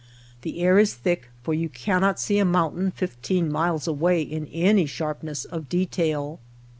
The air is thick, for you cannot see a mountain fifteen miles away in any sharpness of detail.